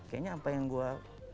kayaknya apa yang gue